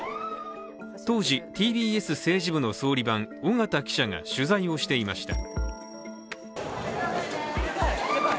当時、ＴＢＳ政治部の総理番緒方記者が取材をしていました。